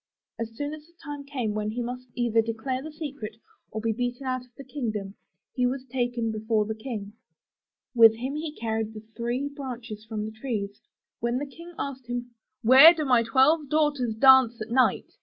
As soon as the time came when he must either declare the secret, or be beaten out of the kingdom, he was taken before the King. With him he carried the three branches from the trees. When the King asked him, * 'Where do my twelve daughters dance at night?'